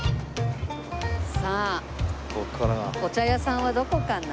さあお茶屋さんはどこかな？